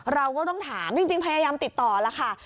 เราก็ต้องถามจริงพยายามติดต่อแล้วค่ะ